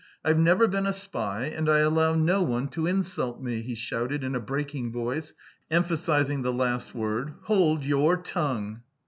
"I've never been a spy, and I allow no one to insult me!" he shouted in a breaking voice, emphasising the last word. "Hold your tongue!"